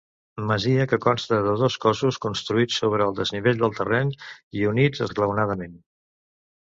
Masia que consta de dos cossos, construïts sobre el desnivell del terreny, i units esglaonadament.